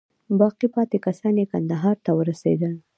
باقي پاته کسان یې کندهار ته ورسېدل.